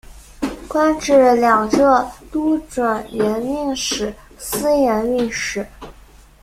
官至两浙都转盐运使司盐运使。